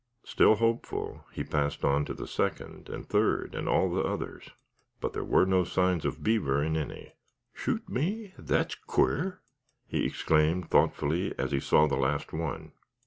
Still hopeful, he passed on to the second and third and all the others. But there were no signs of beaver in any. "Shoot me, that's quar'!" he exclaimed, thoughtfully, as he saw the last one.